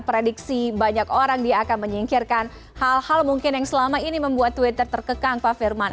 prediksi banyak orang dia akan menyingkirkan hal hal mungkin yang selama ini membuat twitter terkekang pak firman